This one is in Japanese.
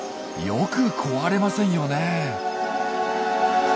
よく壊れませんよねえ。